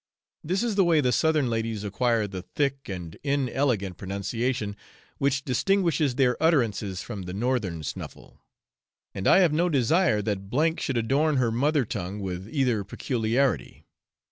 This is the way the southern ladies acquire the thick and inelegant pronunciation which distinguishes their utterances from the northern snuffle; and I have no desire that S should adorn her mother tongue with either peculiarity.